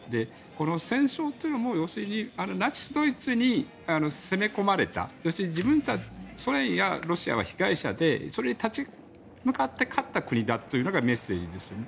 戦争という、要するにナチスドイツに攻め込まれた自分たち、ソ連やロシアは被害者でそれに立ち向かって勝った国だというのがメッセージですよね。